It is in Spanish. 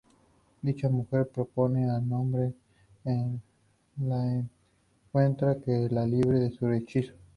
Dicha mujer propone al hombre que la encuentra que la libere de su hechizo.